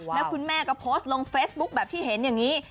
แล้วคุณแม่ก็โพสต์ลงเฟซบุ๊คแบบที่เห็นอย่างนี้